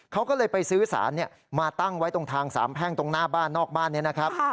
เขาก็เลยไปซื้อสารมาตั้งไว้ตรงทางสามแพ่งตรงหน้าบ้านนอกบ้านนี้นะครับ